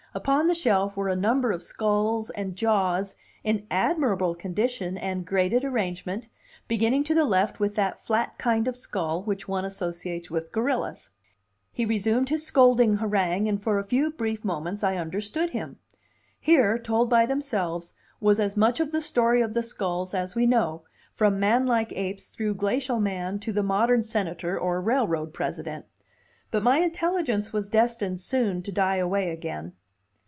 Upon the shelf were a number of skulls and jaws in admirable condition and graded arrangement, beginning to the left with that flat kind of skull which one associates with gorillas. He resumed his scolding harangue, and for a few brief moments I understood him. Here, told by themselves, was as much of the story of the skulls as we know, from manlike apes through glacial man to the modern senator or railroad president. But my intelligence was destined soon to die away again.